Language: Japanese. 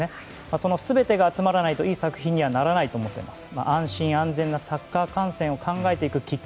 その全てが集まらないといい作品にはならないと思っています。